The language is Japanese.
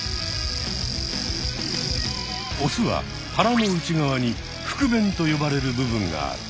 オスは腹の内側に腹弁と呼ばれる部分がある。